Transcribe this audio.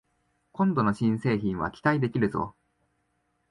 今度の新製品は期待できるぞ